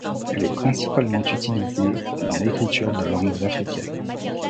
Elle est principalement utilisée dans l’écriture de langues africaines.